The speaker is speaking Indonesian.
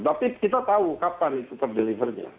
tapi kita tahu kapan itu terdelivernya